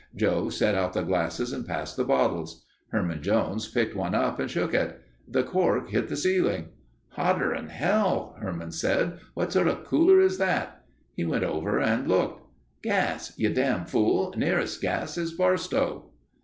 Joe set out the glasses and passed the bottles. Herman Jones picked one up and shook it. The cork hit the ceiling. "Hotter'n hell," Herman said. "What sort of cooler is that?" He went over and looked. "Gas. You dam' fool. Nearest gas is Barstow."